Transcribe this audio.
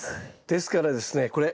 ですからですねこれ。